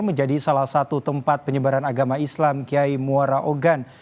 menjadi salah satu tempat penyebaran agama islam kiai muara ogan